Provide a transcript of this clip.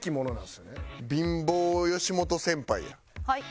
はい。